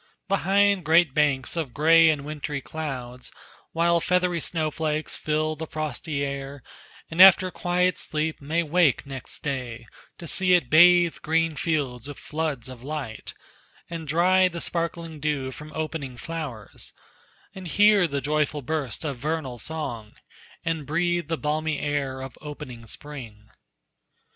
Behind great banks of gray and wintry clouds, While feathery snowflakes fill the frosty air, And after quiet sleep may wake next day To see it bathe green fields with floods of light, And dry the sparkling dew from opening flowers, And hear the joyful burst of vernal song, And breathe the balmy air of opening spring.